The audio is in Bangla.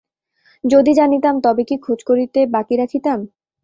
যদি জানিতাম, তবে কি খোঁজ করিতে বাকি রাখিতাম?